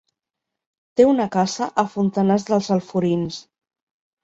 Té una casa a Fontanars dels Alforins.